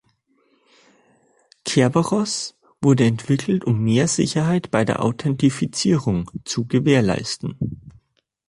Kerberos wurde entwickelt, um mehr Sicherheit bei der Authentifizierung zu gewährleisten.